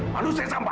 malus ya sampa